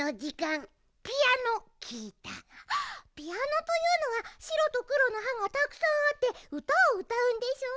「ピアノ」というのはしろとくろのはがたくさんあってうたをうたうんでしょう？